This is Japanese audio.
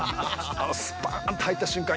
スパーンと入った瞬間